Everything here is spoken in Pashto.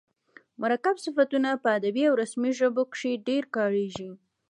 مرکب صفتونه په ادبي او رسمي ژبه کښي ډېر کاریږي.